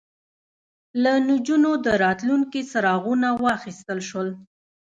له نجونو د راتلونکي څراغونه واخیستل شول